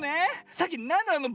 さっきなんなの？